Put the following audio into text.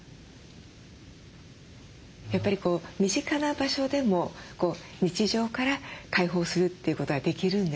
やっぱり身近な場所でも日常から解放するということができるんですね。